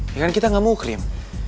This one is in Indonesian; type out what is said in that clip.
ya kan kita gak muklim